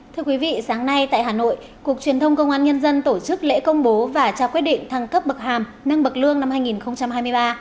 thưa quý vị sáng nay tại hà nội cục truyền thông công an nhân dân tổ chức lễ công bố và trao quyết định thăng cấp bậc hàm nâng bậc lương năm hai nghìn hai mươi ba